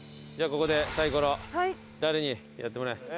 じゃあここでサイコロ誰にやって。